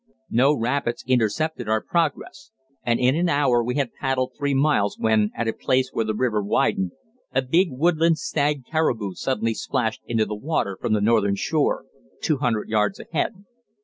No rapids intercepted our progress, and in an hour we had paddled three miles, when, at a place where the river widened, a big woodland stag caribou suddenly splashed into the water from the northern shore, two hundred yards ahead.